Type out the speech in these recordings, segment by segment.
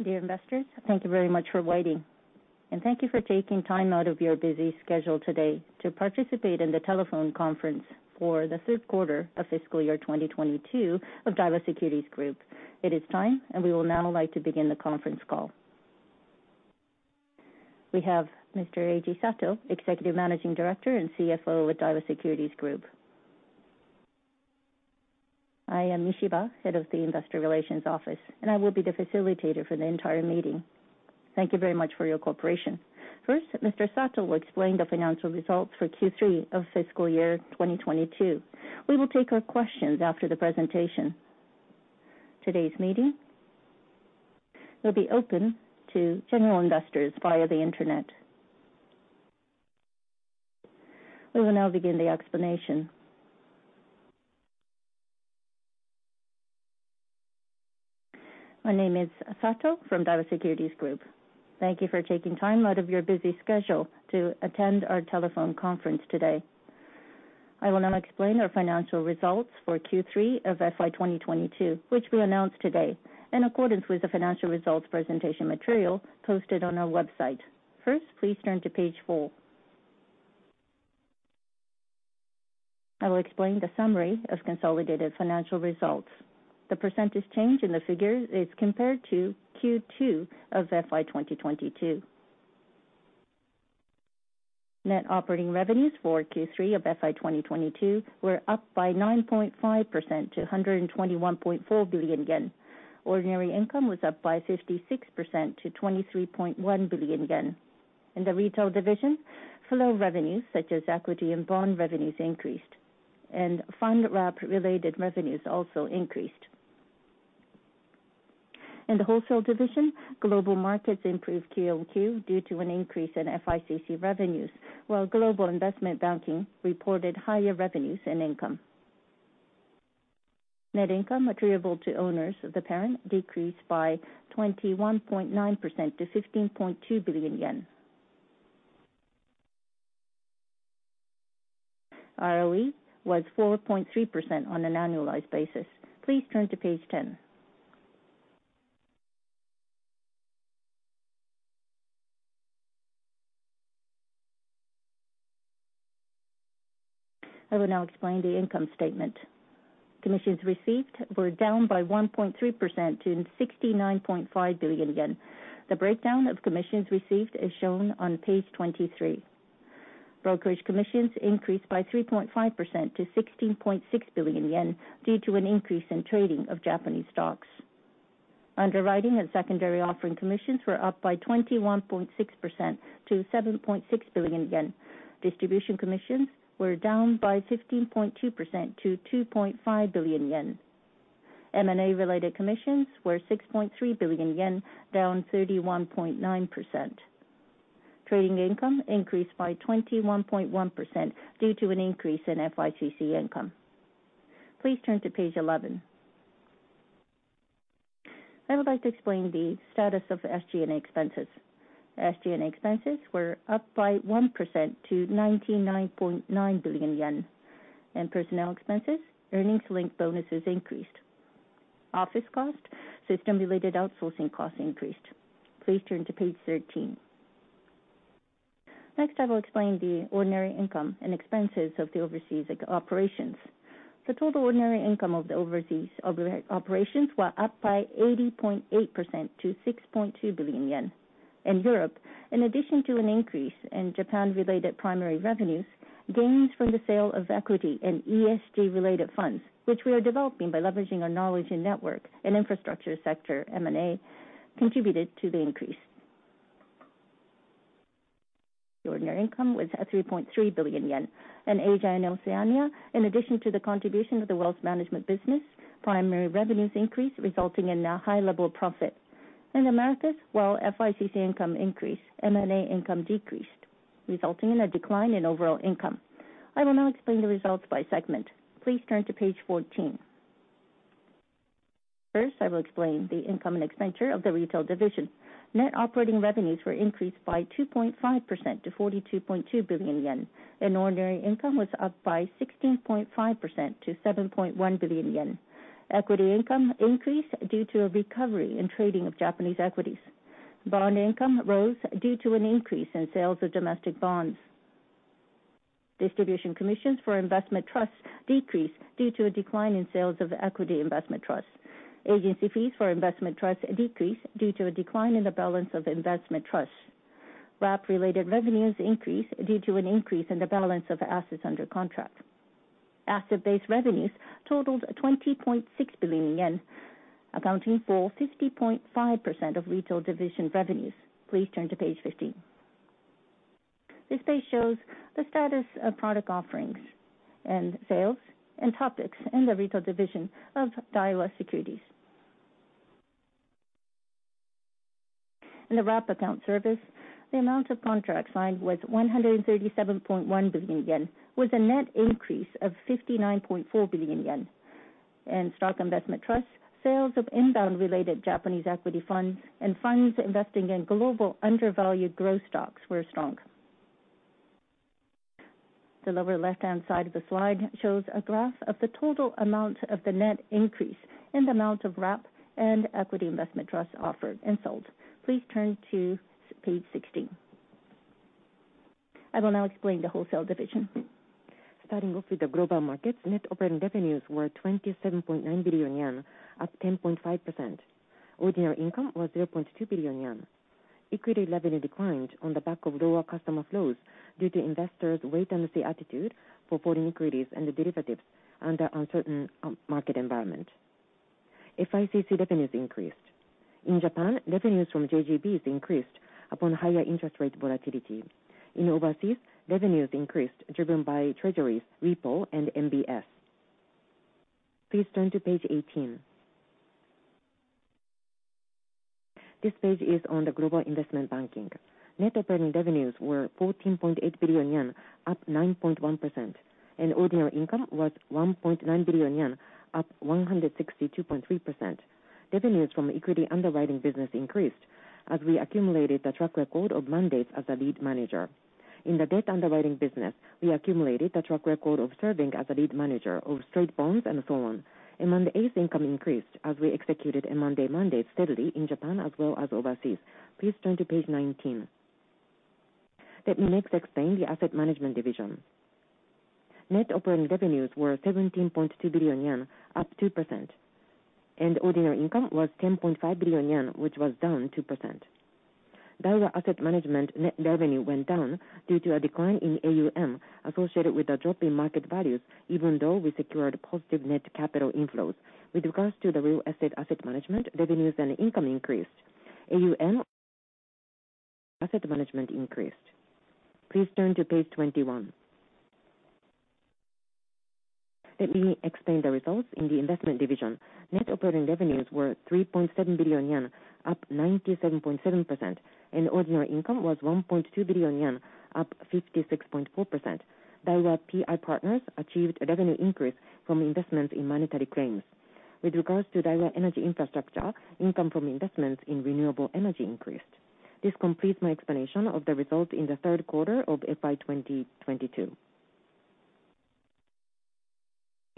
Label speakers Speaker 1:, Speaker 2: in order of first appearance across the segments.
Speaker 1: Dear investors, thank you very much for waiting, and thank you for taking time out of your busy schedule today to participate in the telephone conference for the third quarter of fiscal year 2022 of Daiwa Securities Group. It is time, and we will now like to begin the conference call. We have Mr. Eiji Sato, Executive Managing Director and CFO with Daiwa Securities Group. I am Nishiba, Head of the Investor Relations Office, and I will be the facilitator for the entire meeting. Thank you very much for your cooperation. First, Mr. Sato will explain the financial results for Q3 of fiscal year 2022. We will take your questions after the presentation. Today's meeting will be open to general investors via the Internet. We will now begin the explanation. My name is Sato from Daiwa Securities Group. Thank you for taking time out of your busy schedule to attend our telephone conference today. I will now explain our financial results for Q3 of FY 2022, which we announced today, in accordance with the financial results presentation material posted on our website. First, please turn to page 4. I will explain the summary of consolidated financial results. The percentage change in the figures is compared to Q2 of FY 2022. Net operating revenues for Q3 of FY 2022 were up by 9.5% to 121.4 billion yen. Ordinary income was up by 56% to 23.1 billion yen. In the retail division, flow revenues, such as equity and bond revenues, increased, and Fund Wrap-related revenues also increased. In the wholesale division, global markets improved QOQ due to an increase in FICC revenues, while global investment banking reported higher revenues and income. Net income attributable to owners of the parent decreased by 21.9% to JPY 15.2 billion. ROE was 4.3% on an annualized basis. Please turn to page 10. I will now explain the income statement. Commissions received were down by 1.3% to 69.5 billion yen. The breakdown of commissions received is shown on page 23. Brokerage commissions increased by 3.5% to 16.6 billion yen due to an increase in trading of Japanese stocks. Underwriting and secondary offering commissions were up by 21.6% to 7.6 billion yen. Distribution commissions were down by 15.2% to 2.5 billion yen. M&A-related commissions were 6.3 billion yen, down 31.9%. Trading income increased by 21.1% due to an increase in FICC income. Please turn to page 11. I would like to explain the status of SG&A expenses. SG&A expenses were up by 1% to 99.9 billion yen. In personnel expenses, earnings-linked bonuses increased. Office cost, system-related outsourcing costs increased. Please turn to page 13. I will explain the ordinary income and expenses of the overseas operations. The total ordinary income of the overseas operations were up by 80.8% to 6.2 billion yen. In Europe, in addition to an increase in Japan-related primary revenues, gains from the sale of equity and ESG-related funds, which we are developing by leveraging our knowledge and network in infrastructure sector M&A, contributed to the increase. The ordinary income was at 3.3 billion yen. In Asia and Oceania, in addition to the contribution of the wealth management business, primary revenues increased, resulting in a high level of profit. In Americas, while FICC income increased, M&A income decreased, resulting in a decline in overall income. I will now explain the results by segment. Please turn to page 14. First, I will explain the income and expenditure of the retail division. Net operating revenues were increased by 2.5% to 42.2 billion yen, and ordinary income was up by 16.5% to 7.1 billion yen. Equity income increased due to a recovery in trading of Japanese equities. Bond income rose due to an increase in sales of domestic bonds. Distribution commissions for investment trusts decreased due to a decline in sales of equity investment trusts. Agency fees for investment trusts decreased due to a decline in the balance of investment trusts. Wrap-related revenues increased due to an increase in the balance of assets under contract. Asset-based revenues totaled 20.6 billion yen, accounting for 50.5% of retail division revenues. Please turn to page 15. This page shows the status of product offerings and sales and topics in the retail division of Daiwa Securities. In the wrap account service, the amount of contracts signed was 137.1 billion yen, with a net increase of 59.4 billion yen. In stock investment trusts, sales of inbound-related Japanese equity funds and funds investing in global undervalued growth stocks were strong. The lower left hand side of the slide shows a graph of the total amount of the net increase in the amount of wrap and equity investment trust offered and sold. Please turn to page 16. I will now explain the wholesale division. Starting off with the global markets, net operating revenues were 27.9 billion yen, up 10.5%. Ordinary income was 0.2 billion yen. Equity revenue declined on the back of lower customer flows due to investors' wait and see attitude for foreign equities and the derivatives under uncertain market environment. FICC revenues increased. In Japan, revenues from JGBs increased upon higher interest rate volatility. In overseas, revenues increased, driven by Treasuries, repo, and MBS. Please turn to page 18. This page is on the global investment banking. Net operating revenues were 14.8 billion yen, up 9.1%. Ordinary income was 1.9 billion yen, up 162.3%. Revenues from equity underwriting business increased as we accumulated a track record of mandates as a lead manager. In the debt underwriting business, we accumulated a track record of serving as a lead manager of straight bonds and so on. M&A income increased as we executed M&A mandates steadily in Japan as well as overseas. Please turn to page 19. Let me next explain the asset management division. Net operating revenues were 17.2 billion yen, up 2%. Ordinary income was 10.5 billion yen, which was down 2%. Daiwa Asset Management net revenue went down due to a decline in AUM associated with a drop in market values, even though we secured positive net capital inflows. With regards to the real estate asset management, revenues and income increased. AUM asset management increased. Please turn to page 21. Let me explain the results in the investment division. Net operating revenues were 3.7 billion yen, up 97.7%, and ordinary income was 1.2 billion yen, up 56.4%. Daiwa PI Partners achieved a revenue increase from investments in monetary claims. With regards to Daiwa Energy Infrastructure, income from investments in renewable energy increased. This completes my explanation of the results in the third quarter of FY 2022.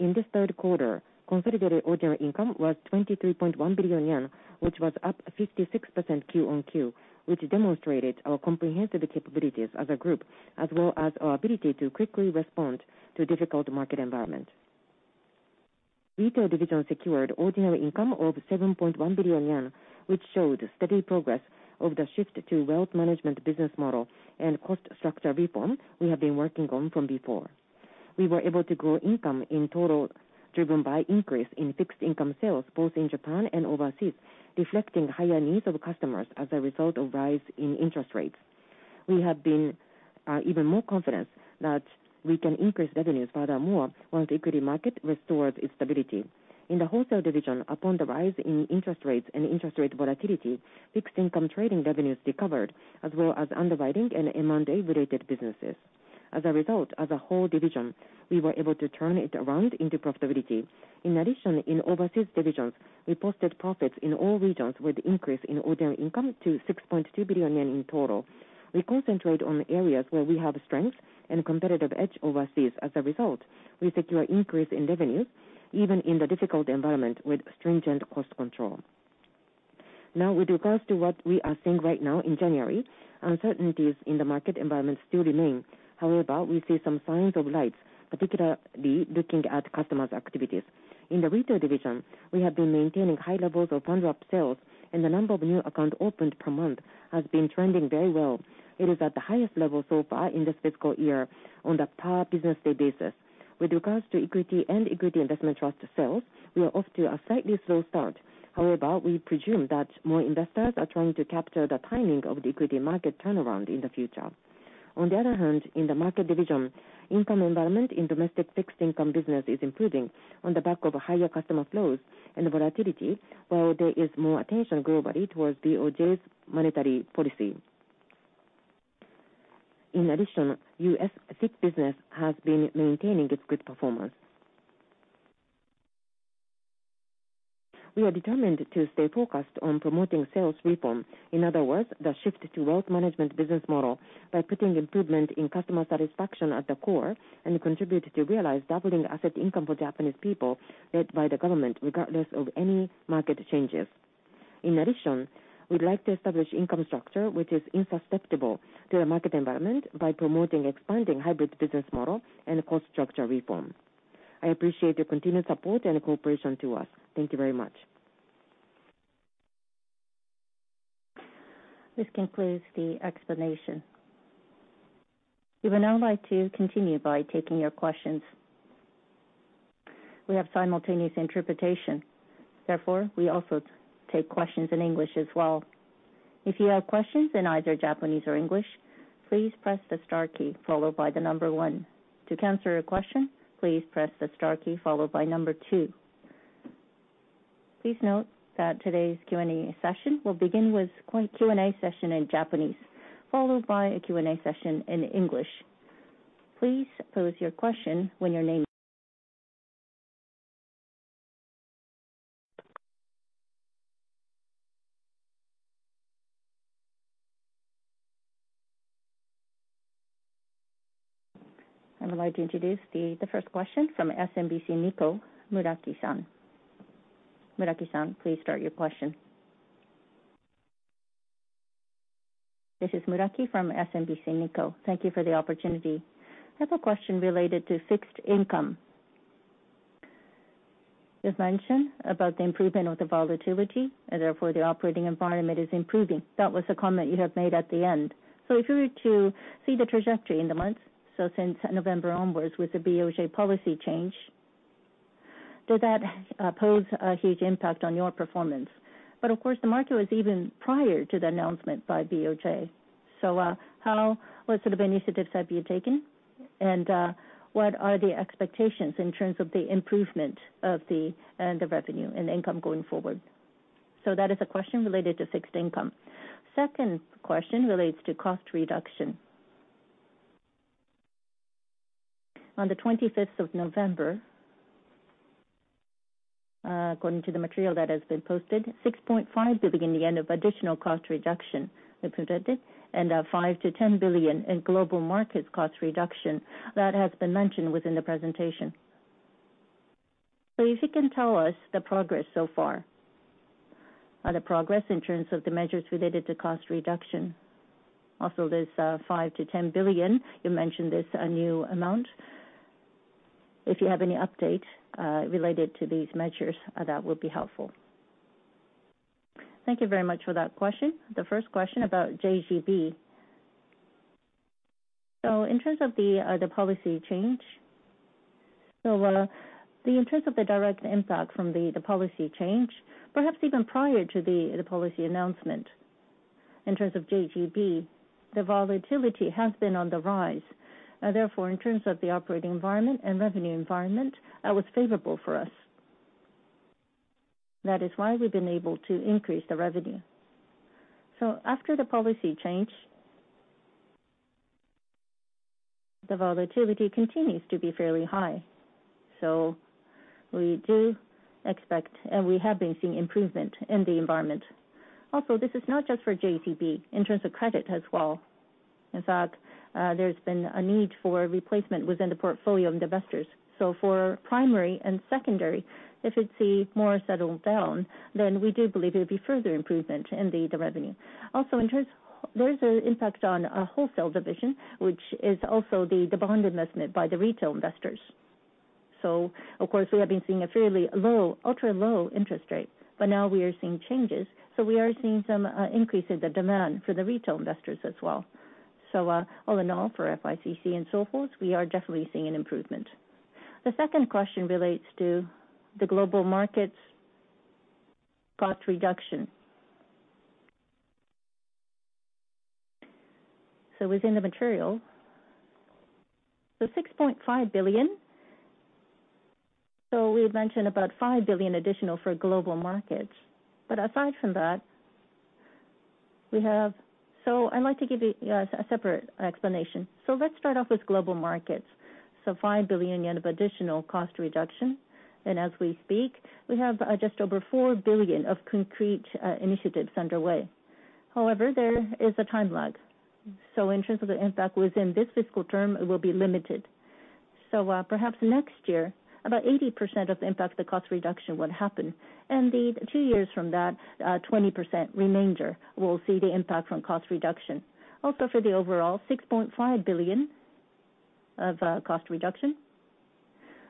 Speaker 1: In this third quarter, consolidated ordinary income was 23.1 billion yen, which was up 56% Q-on-Q, which demonstrated our comprehensive capabilities as a group, as well as our ability to quickly respond to a difficult market environment. Retail Division secured ordinary income of 7.1 billion yen, which showed steady progress of the shift to wealth management business model and cost structure reform we have been working on from before. We were able to grow income in total, driven by increase in fixed income sales both in Japan and overseas, reflecting higher needs of customers as a result of rise in interest rates. We have been even more confident that we can increase revenues furthermore once the equity market restores its stability. In the wholesale division, upon the rise in interest rates and interest rate volatility, fixed income trading revenues recovered, as well as underwriting and M&A-related businesses. As a result, as a whole division, we were able to turn it around into profitability. In addition, in overseas divisions, we posted profits in all regions with increase in ordinary income to 6.2 billion yen in total. We concentrate on areas where we have strength and competitive edge overseas. As a result, we secure increase in revenue even in the difficult environment with stringent cost control. Now, with regards to what we are seeing right now in January, uncertainties in the market environment still remain. However, we see some signs of lights, particularly looking at customers' activities. In the retail division, we have been maintaining high levels of Fund Wrap sales, and the number of new accounts opened per month has been trending very well. It is at the highest level so far in this fiscal year on the per business day basis. With regards to equity and equity investment trust sales, we are off to a slightly slow start. However, we presume that more investors are trying to capture the timing of the equity market turnaround in the future. On the other hand, in the market division, income environment in domestic fixed income business is improving on the back of higher customer flows and volatility, while there is more attention globally towards BOJ's monetary policy. In addition, U.S. FICC business has been maintaining its good performance. We are determined to stay focused on promoting sales reform, in other words, the shift to wealth management business model, by putting improvement in customer satisfaction at the core and contribute to realize doubling asset income for Japanese people led by the government regardless of any market changes. In addition, we'd like to establish income structure which is insusceptible to the market environment by promoting expanding hybrid business model and cost structure reform. I appreciate your continued support and cooperation to us. Thank you very much. This concludes the explanation. We would now like to continue by taking your questions. We have simultaneous interpretation. We also take questions in English as well. If you have questions in either Japanese or English, please press the star key followed by one To cancel your question, please press the star key followed by two. Please note that today's Q&A session will begin with Q&A session in Japanese, followed by a Q&A session in English. I would like to introduce the first question from SMBC Nikko, Muraki-san. Muraki-san, please start your question. This is Muraki from SMBC Nikko. Thank you for the opportunity. I have a question related to fixed income. You've mentioned about the improvement of the volatility and therefore the operating environment is improving. That was a comment you have made at the end. If we were to see the trajectory in the months, since November onwards with the BOJ policy change, does that pose a huge impact on your performance? Of course, the market was even prior to the announcement by BOJ. What sort of initiatives have you taken? What are the expectations in terms of the improvement of the revenue and income going forward? That is a question related to fixed income. Second question relates to cost reduction. On the 25th of November, according to the material that has been posted, 6.5 billion yen of additional cost reduction were presented and 5 billion-10 billion in global markets cost reduction that has been mentioned within the presentation. If you can tell us the progress so far, or the progress in terms of the measures related to cost reduction. Also, there's 5 billion-10 billion, you mentioned there's a new amount. If you have any update related to these measures, that would be helpful. Thank you very much for that question. The first question about JGB. In terms of the policy change, in terms of the direct impact from the policy change, perhaps even prior to the policy announcement, in terms of JGB, the volatility has been on the rise. Therefore, in terms of the operating environment and revenue environment, that was favorable for us. That is why we've been able to increase the revenue. After the policy change, the volatility continues to be fairly high. We do expect, and we have been seeing improvement in the environment. Also, this is not just for JGB, in terms of credit as well. In fact, there's been a need for replacement within the portfolio of investors. For primary and secondary, if it's more settled down, then we do believe there'll be further improvement in the revenue. Also, there is an impact on our wholesale division, which is also the bond investment by the retail investors. Of course, we have been seeing a fairly low, ultra-low interest rate, but now we are seeing changes. We are seeing some increase in the demand for the retail investors as well. All in all, for FICC and so forth, we are definitely seeing an improvement. The second question relates to the global markets cost reduction. Within the material, the 6.5 billion, we had mentioned about 5 billion additional for global markets. Aside from that, we have. I'd like to give you a separate explanation. Let's start off with global markets. 5 billion yen of additional cost reduction. As we speak, we have just over 4 billion of concrete initiatives underway. However, there is a time lag. In terms of the impact within this fiscal term, it will be limited. Perhaps next year, about 80% of the impact of the cost reduction will happen. The two years from that, 20% remainder will see the impact from cost reduction. For the overall 6.5 billion of cost reduction,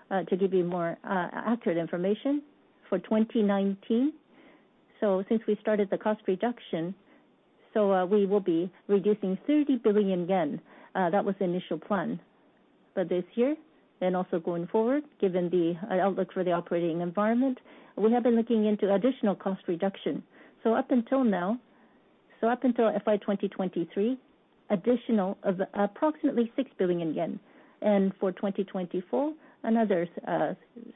Speaker 1: to give you more accurate information, for 2019, so since we started the cost reduction, we will be reducing 30 billion yen. That was the initial plan. This year, and also going forward, given the outlook for the operating environment, we have been looking into additional cost reduction. Up until now, so up until FY 2023, additional of approximately 6 billion yen. For 2024, another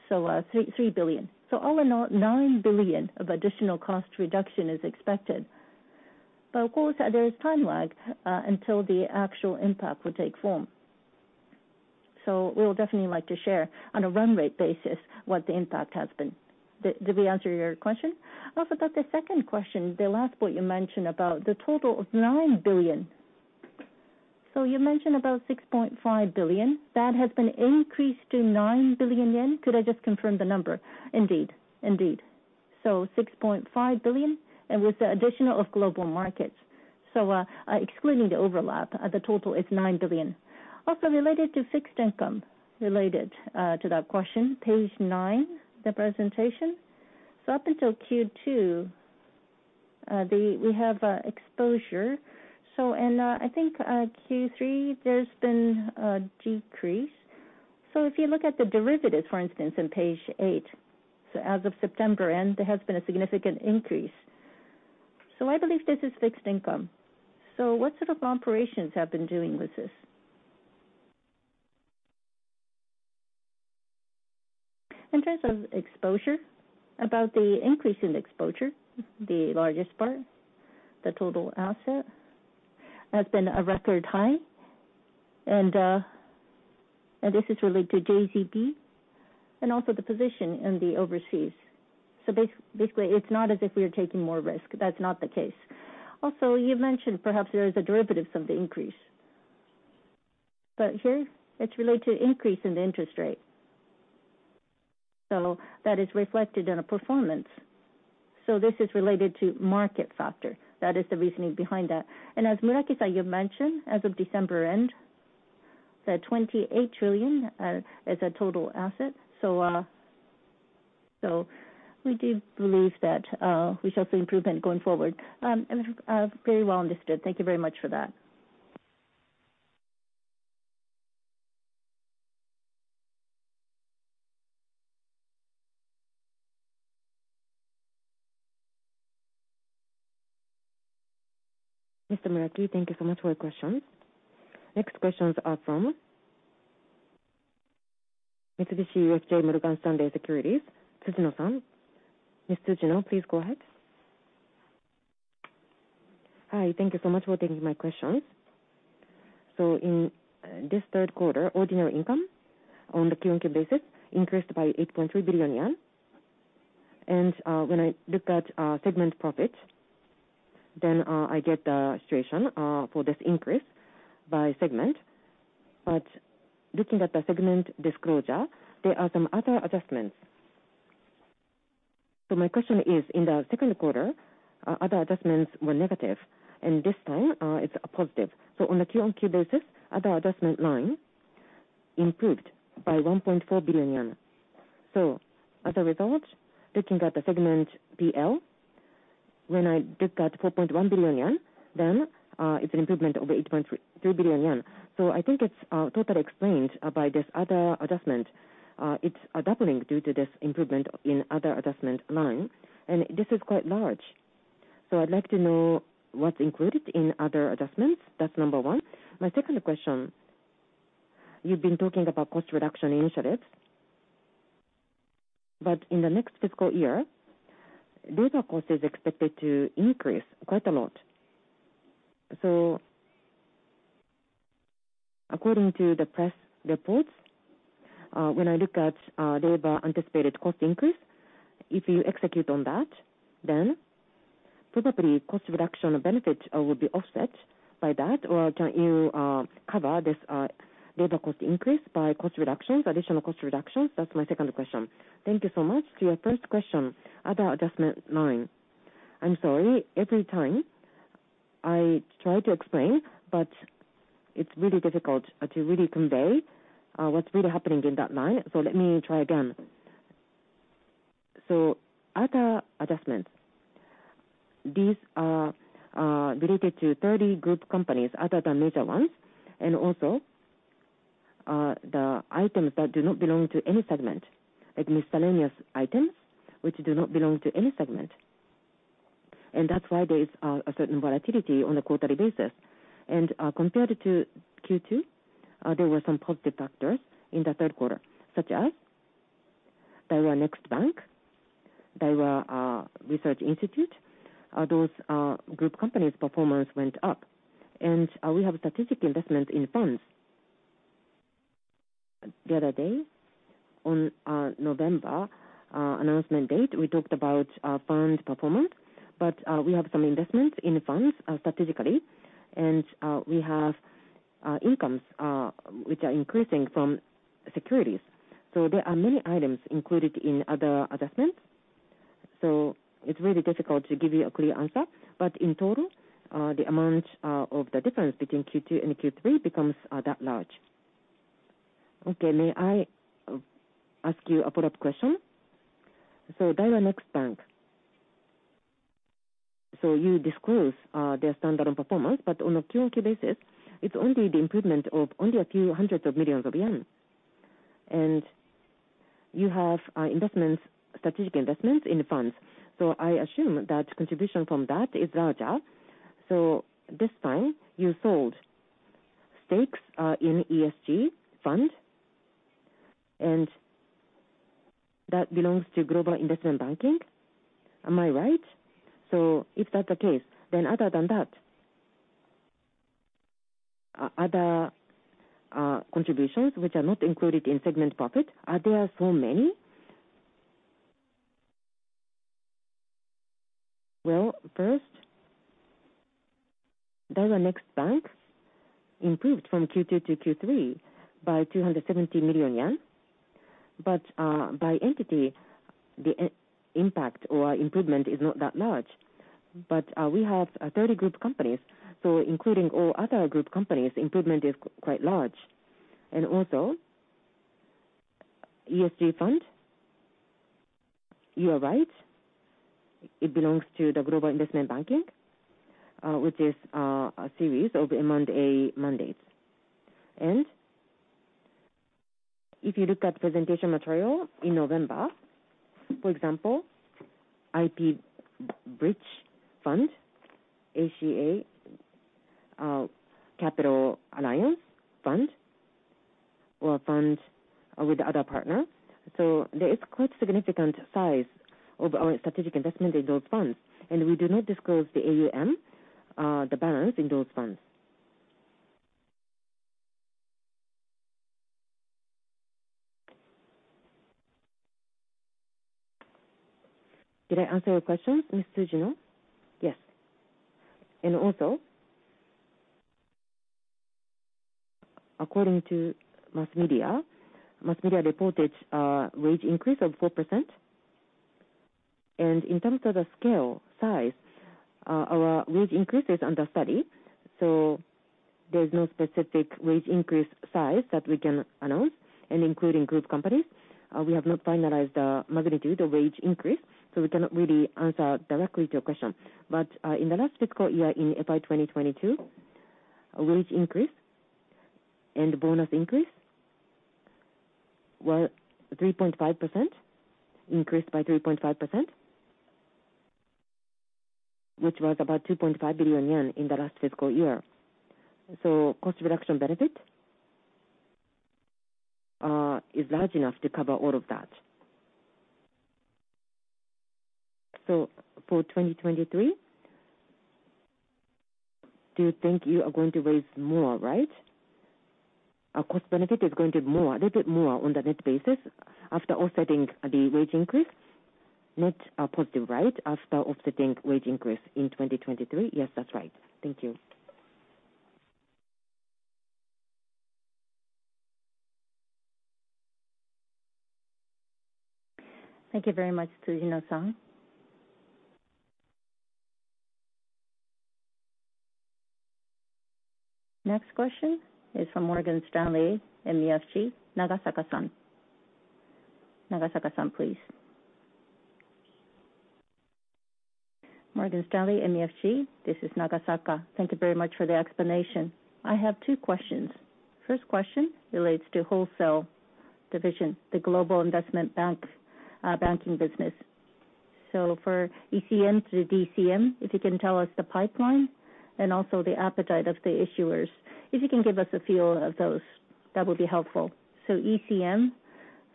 Speaker 1: 3 billion. All in all, 9 billion of additional cost reduction is expected. Of course, there is time lag until the actual impact will take form. We would definitely like to share on a run rate basis what the impact has been. Did we answer your question? About the second question, the last point you mentioned about the total of 9 billion. You mentioned about 6.5 billion. That has been increased to 9 billion yen? Could I just confirm the number? Indeed, indeed. 6.5 billion, and with the additional of global markets. Excluding the overlap, the total is 9 billion. Related to fixed income, related to that question, page 9, the presentation. Up until Q2, we have exposure. In, I think, Q3, there's been a decrease. If you look at the derivatives, for instance, in page 8, as of September end, there has been a significant increase. I believe this is fixed income. What sort of operations have been doing with this? In terms of exposure, about the increase in exposure, the largest part, the total asset has been a record high. This is related to JGB and also the position in the overseas. Basically, it's not as if we are taking more risk. That's not the case. Also, you mentioned perhaps there is a derivatives of the increase, but here it's related to increase in the interest rate. That is reflected in our performance. This is related to market factor. That is the reasoning behind that. As Muraki-san, you mentioned, as of December end, the 28 trillion as a total asset. We do believe that we shall see improvement going forward. Very well understood. Thank you very much for that. Mr. Muraki, thank you so much for your question. Next questions are from Mitsubishi UFJ Morgan Stanley Securities, Tsujino-san. Ms. Tsujino, please go ahead. Hi, thank you so much for taking my questions. In this third quarter, ordinary income on the QoQ basis increased by 8.3 billion yen. When I looked at segment profits, I get the situation for this increase by segment. Looking at the segment disclosure, there are some other adjustments. My question is, in the second quarter, other adjustments were negative, and this time, it's positive. On a QoQ basis, other adjustment line improved by 1.4 billion yen. As a result, looking at the segment PL, when I look at 4.1 billion yen, it's an improvement over 8.3 billion yen. I think it's totally explained by this other adjustment. It's a doubling due to this improvement in other adjustment line, and this is quite large. I'd like to know what's included in other adjustments. That's number 1. My second question, you've been talking about cost reduction initiatives, but in the next fiscal year, data cost is expected to increase quite a lot. According to the press reports, when I look at labor anticipated cost increase, if you execute on that, then probably cost reduction benefits will be offset by that or can you cover this data cost increase by cost reductions, additional cost reductions? That's my 2nd question. Thank you so much. To your 1st question, other adjustment line. I'm sorry. Every time I try to explain, but it's really difficult to really convey what's really happening in that line. Let me try again. Other adjustments, these are related to 30 group companies other than major ones, and also, the items that do not belong to any segment, like miscellaneous items which do not belong to any segment. That's why there is a certain volatility on a quarterly basis. Compared to Q2, there were some positive factors in the third quarter, such as Daiwa Next Bank, Daiwa Institute of Research. Those group companies' performance went up. We have strategic investment in funds. The other day on November announcement date, we talked about our fund performance, we have some investments in funds strategically. We have incomes which are increasing from securities. There are many items included in other adjustments. It's really difficult to give you a clear answer. In total, the amount of the difference between Q2 and Q3 becomes that large. Okay. May I ask you a follow-up question? Daiwa Next Bank. You disclose their standalone performance, but on a Q-on-Q basis, it's only the improvement of only a few hundreds of millions of JPY. You have investments, strategic investments in funds. I assume that contribution from that is larger. This time you sold stakes in ESG fund, and that belongs to global investment banking. Am I right? If that's the case, then other than that, other contributions which are not included in segment profit, are there so many? Well, first, Daiwa Next Bank improved from Q2 to Q3 by 270 million yen. By entity, the impact or improvement is not that large. We have 30 group companies. Including all other group companies, improvement is quite large. Also, ESG fund, you are right, it belongs to the global investment banking, which is a series of M&A mandates. If you look at presentation material in November, for example, IP Bridge Fund, ACA Capital Alliance Fund, or funds With the other partner. There is quite significant size of our strategic investment in those funds, and we do not disclose the AUM, the balance in those funds. Did I answer your question, Mr. Tsujino? Yes. According to mass media, mass media reported a wage increase of 4%. In terms of the scale size, our wage increase is under study, so there's no specific wage increase size that we can announce, including group companies. We have not finalized the magnitude of wage increase, so we cannot really answer directly to your question. In the last fiscal year in FY 2022, wage increase and bonus increase were 3.5%, increased by 3.5%, which was about 2.5 billion yen in the last fiscal year. Cost reduction benefit is large enough to cover all of that. For 2023, do you think you are going to raise more, right? Our cost benefit is going to more, a little bit more on the net basis after offsetting the wage increase. Net are positive, right, after offsetting wage increase in 2023? Yes, that's right. Thank you. Thank you very much, Tsujino-san. Next question is from Morgan Stanley MUFG, Nagasaka-san. Nagasaka-san, please. Morgan Stanley MUFG, this is Nagasaka. Thank you very much for the explanation. I have two questions. First question relates to wholesale division, the global investment bank, banking business. For ECM to DCM, if you can tell us the pipeline and also the appetite of the issuers. If you can give us a feel of those, that would be helpful. ECM,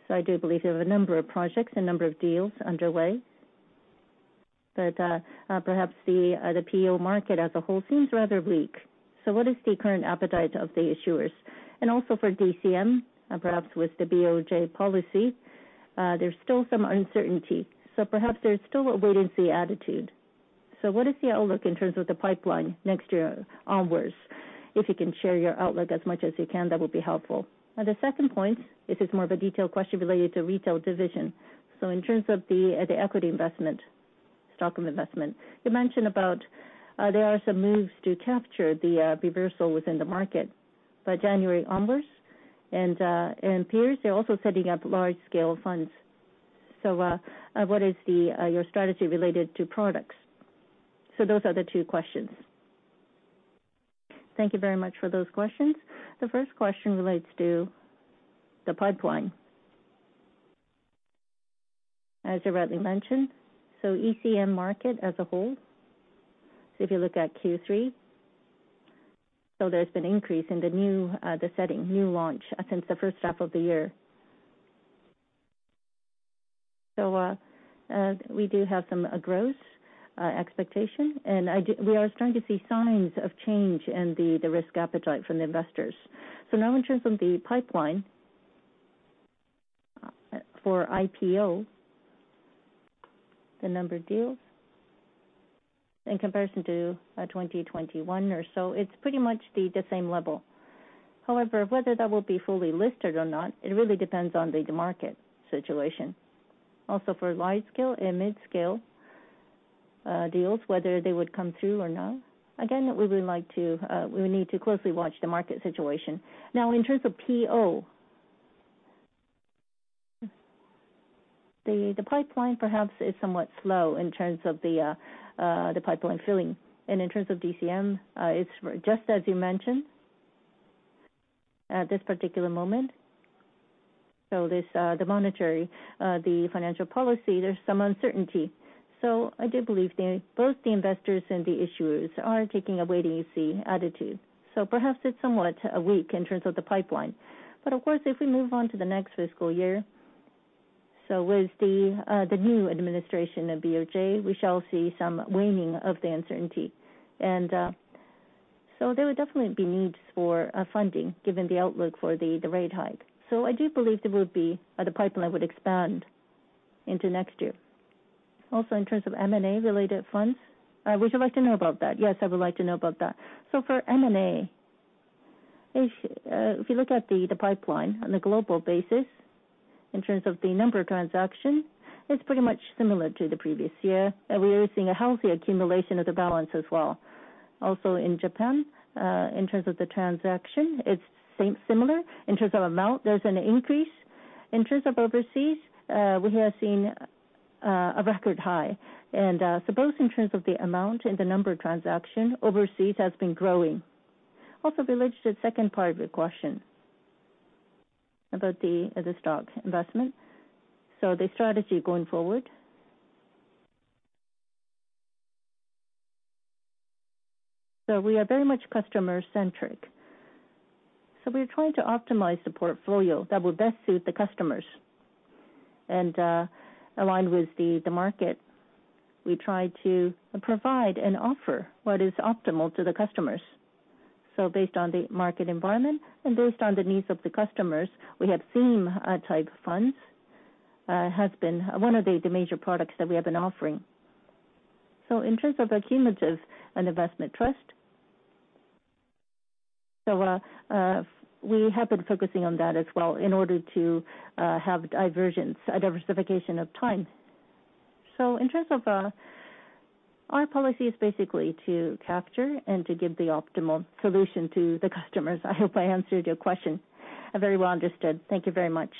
Speaker 1: I do believe you have a number of projects, a number of deals underway, but perhaps the PO market as a whole seems rather weak. What is the current appetite of the issuers? For DCM, and perhaps with the BOJ policy, there's still some uncertainty. Perhaps there's still a wait-and-see attitude. What is the outlook in terms of the pipeline next year onwards? If you can share your outlook as much as you can, that would be helpful. The second point, this is more of a detailed question related to retail division. In terms of the equity investment, stock investment, you mentioned about there are some moves to capture the reversal within the market by January onwards. Peers, they're also setting up large-scale funds. What is your strategy related to products? Those are the two questions. Thank you very much for those questions. The first question relates to the pipeline. As you rightly mentioned, so ECM market as a whole, so if you look at Q3, so there's been increase in the new setting, new launch since the first half of the year. We do have some growth expectation, and we are starting to see signs of change in the risk appetite from the investors. Now in terms of the pipeline for IPO, the number of deals in comparison to 2021 or so, it's pretty much the same level. However, whether that will be fully listed or not, it really depends on the market situation. Also, for large-scale and mid-scale deals, whether they would come through or not, again, we would like to, we would need to closely watch the market situation. Now, in terms of PO, the pipeline perhaps is somewhat slow in terms of the pipeline filling, and in terms of DCM, it's just as you mentioned. At this particular moment, this, the monetary, the financial policy, there's some uncertainty. I do believe the, both the investors and the issuers are taking a wait-and-see attitude. Perhaps it's somewhat weak in terms of the pipeline. Of course, if we move on to the next fiscal year, with the new administration of BOJ, we shall see some waning of the uncertainty. There would definitely be needs for funding given the outlook for the rate hike. I do believe there will be, the pipeline would expand into next year. Also, in terms of M&A-related funds, would you like to know about that? Yes, I would like to know about that. For M&A, if you look at the pipeline on a global basis, in terms of the number of transactions, it's pretty much similar to the previous year. We are seeing a healthy accumulation of the balance as well. Also in Japan, in terms of the transaction, it's similar. In terms of amount, there's an increase. In terms of overseas, we have seen a record high. Both in terms of the amount and the number of transaction, overseas has been growing. Also related to the second part of your question about the stock investment. The strategy going forward- We are very much customer centric. We are trying to optimize the portfolio that will best suit the customers and, align with the market. We try to provide and offer what is optimal to the customers. Based on the market environment and based on the needs of the customers, we have theme type funds has been one of the major products that we have been offering. In terms of accumulative and investment trust, so, we have been focusing on that as well in order to have diversification of time. In terms of our policy is basically to capture and to give the optimal solution to the customers. I hope I answered your question. Very well understood. Thank you very much.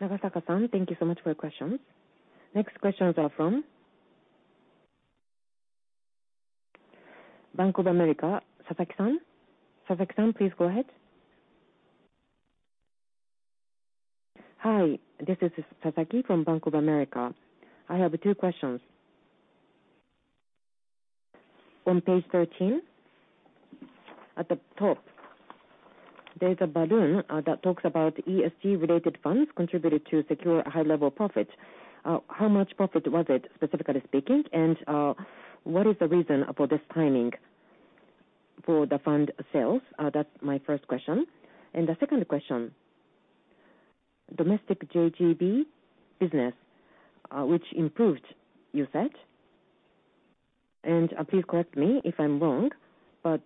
Speaker 1: Nagasaka-san, thank you so much for your question. Next questions are from Bank of America, Sasaki-san. Sasaki-san, please go ahead. Hi, this is Sasaki from Bank of America. I have two questions. On page 13 at the top, there's a balloon, that talks about ESG related funds contributed to secure high level profit. How much profit was it specifically speaking, and what is the reason for this timing for the fund sales? That's my first question. The second question, domestic JGB business, which improved you said, and please correct me if I'm wrong, but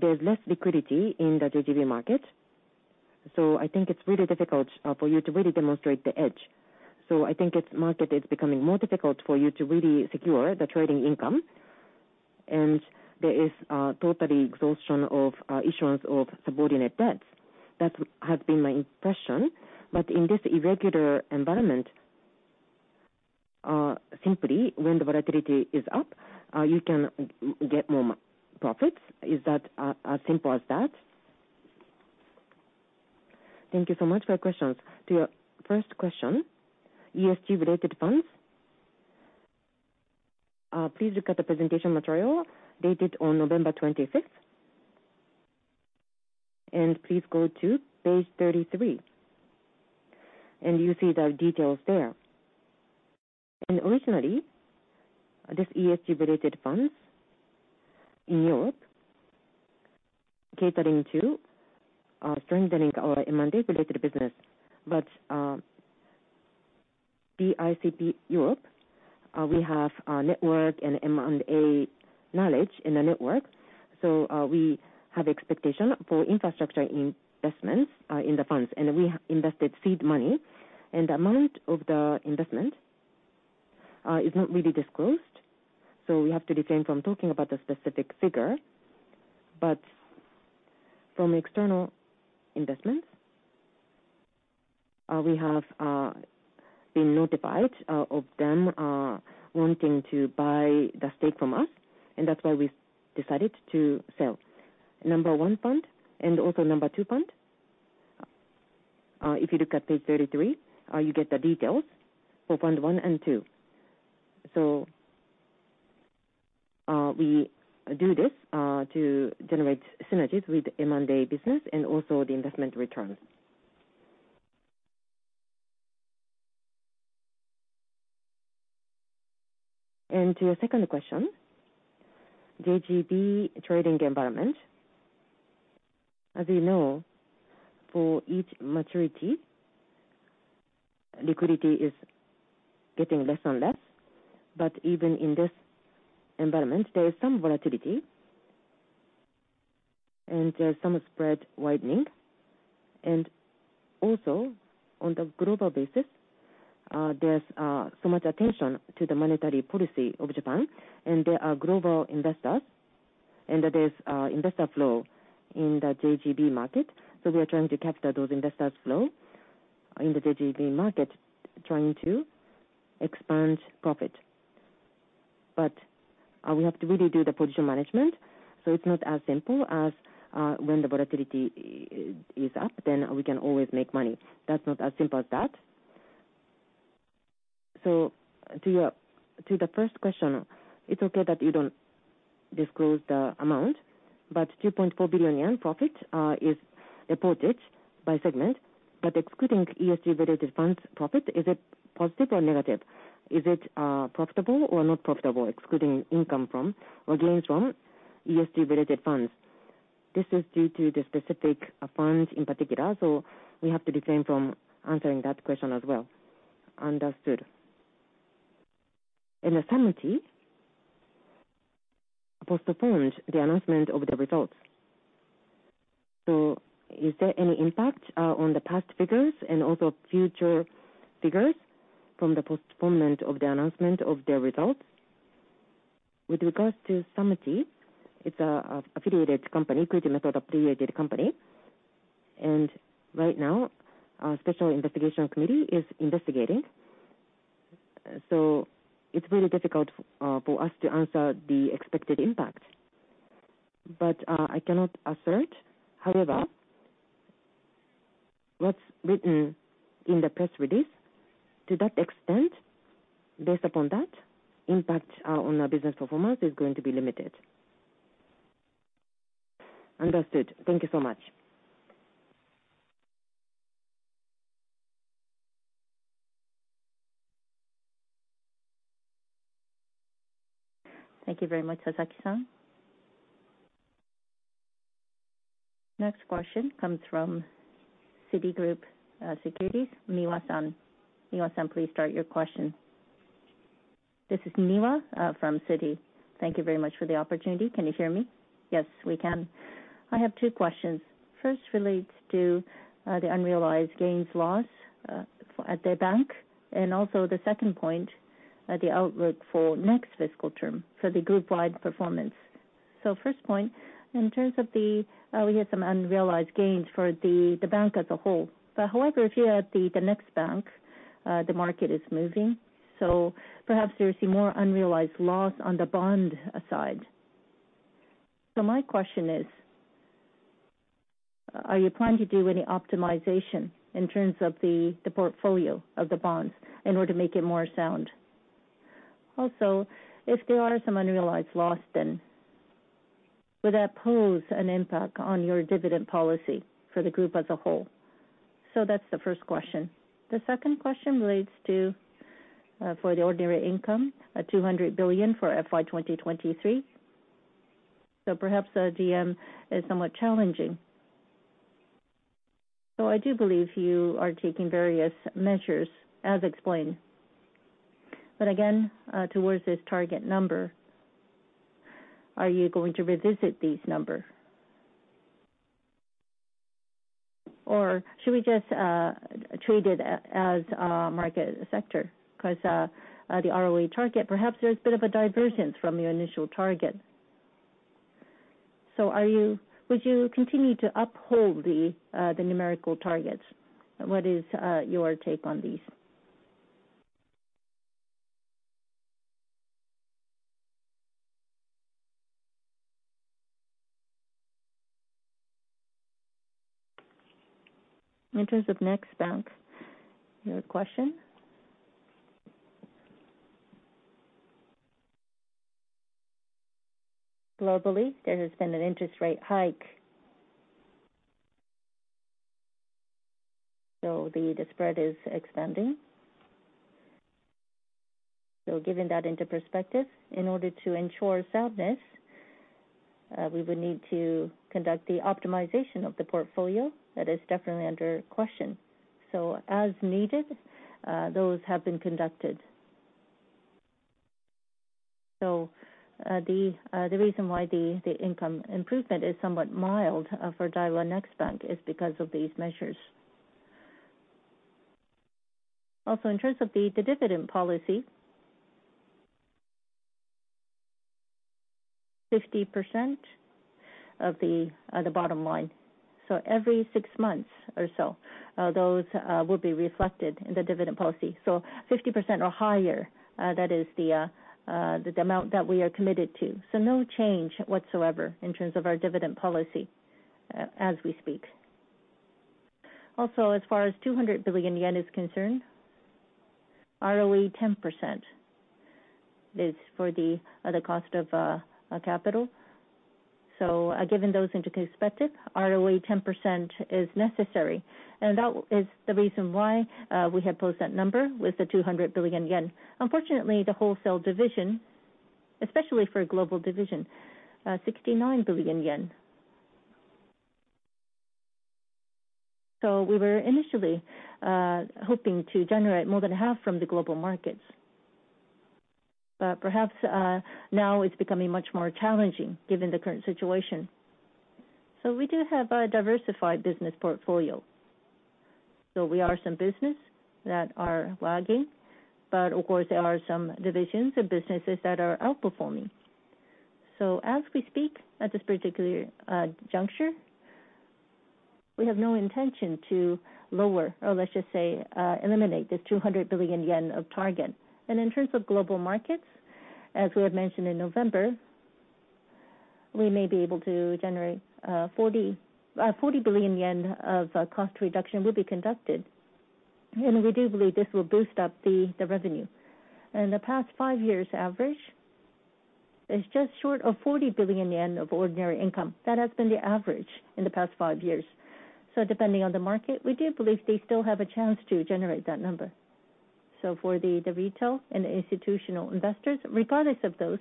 Speaker 1: there's less liquidity in the JGB market, so I think it's really difficult, for you to really demonstrate the edge. I think its market is becoming more difficult for you to really secure the trading income and there is totally exhaustion of issuance of subordinate debts. That has been my impression. In this irregular environment, simply when the volatility is up, you can get more profits. Is that as simple as that? Thank you so much for your questions. To your first question, ESG related funds, please look at the presentation material dated on November 26th, and please go to page 33 and you see the details there. Originally, this ESG related funds in Europe catering to strengthening our M&A related business. BICP Europe, we have a network and M&A knowledge in the network. We have expectation for infrastructure investments in the funds, and we invested seed money and the amount of the investment is not really disclosed. We have to refrain from talking about the specific figure, but from external investments, we have been notified of them wanting to buy the stake from us, that's why we decided to sell. Number 1 fund and also number 2 fund, if you look at page 33, you get the details for fund 1 and 2. We do this to generate synergies with M&A business and also the investment returns. To your second question, JGB trading environment. As you know, for each maturity, liquidity is getting less and less. Even in this environment there is some volatility and there's some spread widening and also on the global basis, there's so much attention to the monetary policy of Japan and there are global investors and there's investor flow in the JGB market. We are trying to capture those investors flow in the JGB market, trying to expand profit. We have to really do the position management, it's not as simple as when the volatility is up, then we can always make money. That's not as simple as that. To your, to the first question, it's okay that you don't disclose the amount, 2.4 billion yen profit is reported by segment, excluding ESG related funds profit, is it positive or negative? Is it profitable or not profitable excluding income from or gains from ESG related funds? This is due to the specific funds in particular, we have to refrain from answering that question as well. Understood. In the Samty, postponed the announcement of the results. Is there any impact on the past figures and also future figures from the postponement of the announcement of the results? With regards to Samty, it's affiliated company, credit method affiliated company. Right now our special investigation committee is investigating. It's very difficult for us to answer the expected impact. I cannot assert. However, what's written in the press release, to that extent, based upon that, impact on our business performance is going to be limited. Understood. Thank you so much. Thank you very much, Sasaki-San. Next question comes from Citigroup Securities, Miwa-San. Miwa-San, please start your question. This is Miwa from Citi. Thank you very much for the opportunity. Can you hear me? Yes, we can. I have two questions. First relates to the unrealized gains loss at the bank, and also the second point, the outlook for next fiscal term for the group-wide performance. First point, in terms of the, we had some unrealized gains for the bank as a whole. However, if you are at the next bank, the market is moving, perhaps there is a more unrealized loss on the bond side. My question is, are you planning to do any optimization in terms of the portfolio of the bonds in order to make it more sound? If there are some unrealized loss, would that pose an impact on your dividend policy for the group as a whole? That's the first question. The second question relates to for the ordinary income, 200 billion for FY 2023. Perhaps DM is somewhat challenging. I do believe you are taking various measures as explained. Again, towards this target number, are you going to revisit these number? Or should we just treat it as a market sector? Cause the ROE target, perhaps there's a bit of a divergence from your initial target. Would you continue to uphold the numerical targets? What is your take on these? In terms of Next Bank, your question. Globally, there has been an interest rate hike. The spread is expanding. Given that into perspective, in order to ensure soundness, we would need to conduct the optimization of the portfolio. That is definitely under question. As needed, those have been conducted. The reason why the income improvement is somewhat mild for Daiwa Next Bank is because of these measures. Also, in terms of the dividend policy, 50% of the bottom line. Every 6 months or so, those will be reflected in the dividend policy. 50% or higher, that is the amount that we are committed to. No change whatsoever in terms of our dividend policy as we speak. As far as 200 billion yen is concerned, ROE 10% is for the cost of capital. Given those into perspective, ROE 10% is necessary. That is the reason why we have posted that number with the 200 billion yen. Unfortunately, the wholesale division, especially for global division, 69 billion yen. We were initially hoping to generate more than half from the global markets. Perhaps, now it's becoming much more challenging given the current situation. We do have a diversified business portfolio. We are some business that are lagging, but of course, there are some divisions and businesses that are outperforming. As we speak at this particular juncture, we have no intention to lower, or let's just say, eliminate this 200 billion yen of target. In terms of global markets, as we had mentioned in November, we may be able to generate 40 billion yen of cost reduction will be conducted. We do believe this will boost up the revenue. In the past 5 years average, it's just short of 40 billion yen of ordinary income. That has been the average in the past 5 years. Depending on the market, we do believe they still have a chance to generate that number. For the retail and institutional investors, regardless of those,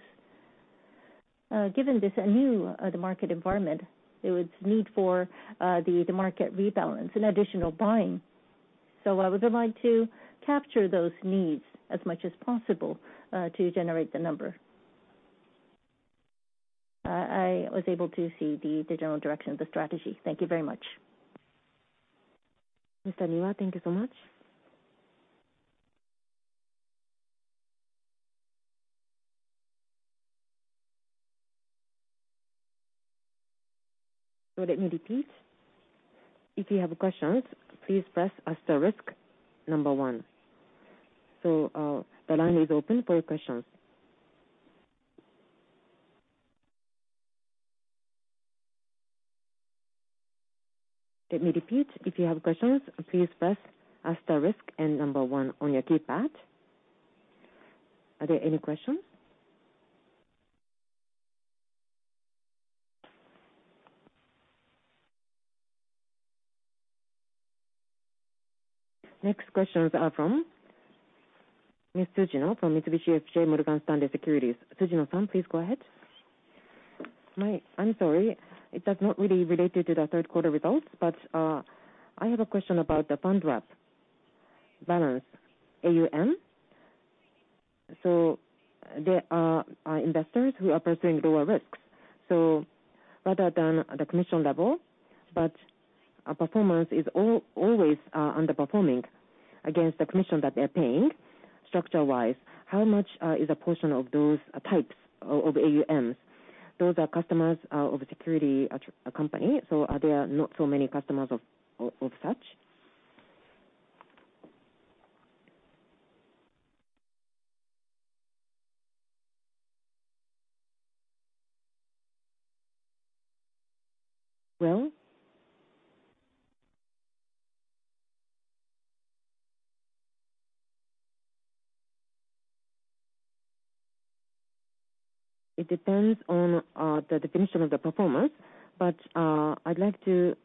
Speaker 1: given this anew market environment, there is need for the market rebalance and additional buying. I would like to capture those needs as much as possible to generate the number. I was able to see the general direction of the strategy. Thank you very much. Mr. Miwa, thank you so much. Let me repeat. If you have questions, please press asterisk 1. The line is open for questions. Let me repeat. If you have questions, please press asterisk and 1 on your keypad. Are there any questions? Next questions are from Ms. Tsujino from Mitsubishi UFJ Morgan Stanley Securities. Tsujino-san, please go ahead. I'm sorry. It does not really related to the third quarter results, but I have a question about the Fund Wrap balance AUM. There are investors who are pursuing lower risks, rather than the commission level, but our performance is always underperforming against the commission that they're paying structure-wise. How much is a portion of those types of AUMs? Those are customers of a security at your company. Are there not so many customers of such? Well... It depends on the definition of the performance. I'd like to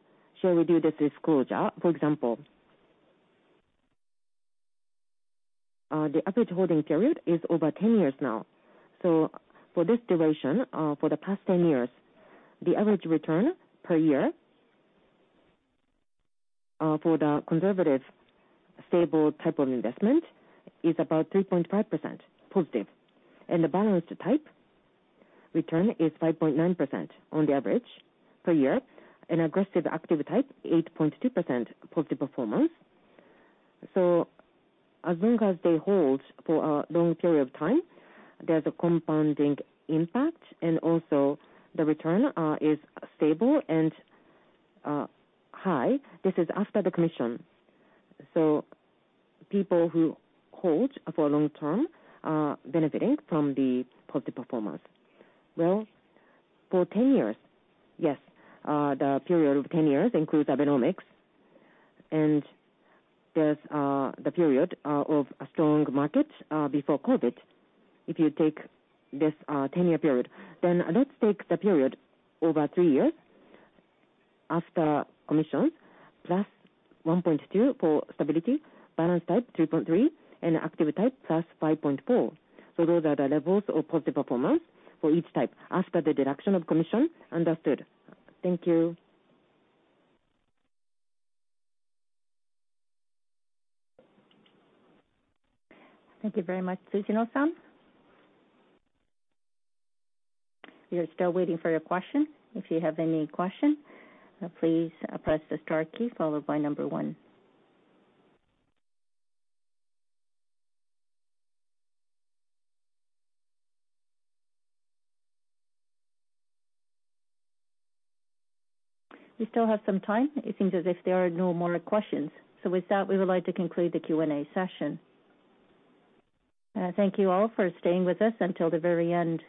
Speaker 1: share with you this disclosure. For example, the average holding period is over 10 years now. For this duration, for the past 10 years, the average return per year for the conservative stable type of investment is about 3.5% positive. The balanced type return is 5.9% on the average per year. An aggressive active type, 8.2% positive performance. As long as they hold for a long period of time, there's a compounding impact, and also the return is stable and high. This is after the commission. People who hold for long term are benefiting from the positive performance. Well, for 10 years, yes. The period of 10 years includes Abenomics, and there's the period of a strong market before COVID. If you take this 10-year period. Let's take the period over three years after commissions, +1.2% for stability, balance type +3.3%, and active type +5.4%. Those are the levels of positive performance for each type after the deduction of commission. Understood. Thank you. Thank you very much, Tsujino-san. We are still waiting for your question. If you have any question, please press the star key followed by one. We still have some time. It seems as if there are no more questions. With that, we would like to conclude the Q&A session. Thank you all for staying with us until the very end.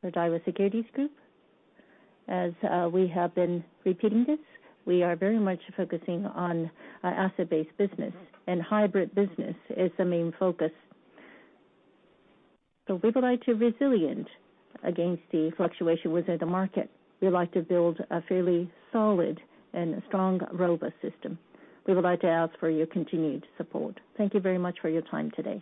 Speaker 1: For Daiwa Securities Group, as we have been repeating this, we are very much focusing on asset-based business. Hybrid business is the main focus. We would like to resilient against the fluctuation within the market. We would like to build a fairly solid and strong, robust system. We would like to ask for your continued support. Thank you very much for your time today.